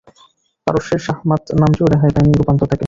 পারস্যের ‘শাহ-মাৎ’ নামটিও রেহাই পায়নি রূপান্তর থেকে।